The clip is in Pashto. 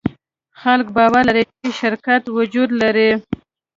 خلک باور لري، چې شرکت وجود لري.